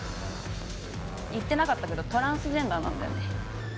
言ってなかったけどトランスジェンダーなんだよね。